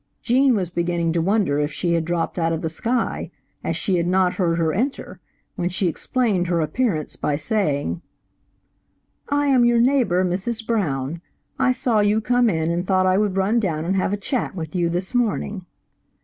Gene was beginning to wonder if she had dropped out of the sky, as she had not heard her enter, when she explained her appearance by saying "I am your neighbor, Mrs. Brown. I saw you come in and thought I would run down and have a chat with you this morning."